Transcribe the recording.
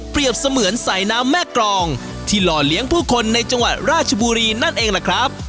เสมือนสายน้ำแม่กรองที่หล่อเลี้ยงผู้คนในจังหวัดราชบุรีนั่นเองล่ะครับ